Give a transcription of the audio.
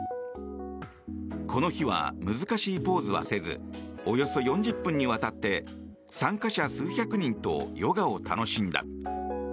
この日は難しいポーズはせずおよそ４０分にわたって参加者数百人とヨガを楽しんだ。